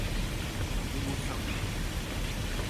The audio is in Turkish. Umursamıyorum.